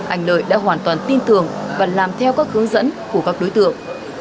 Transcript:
anh lợi đã hoàn toàn tin tưởng và làm theo các hướng dẫn của các đối tượng